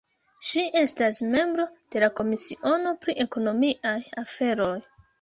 Ŝi estas membro de la komisiono pri ekonomiaj aferoj.